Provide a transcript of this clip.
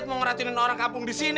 tenang tenang tenang tenang tenang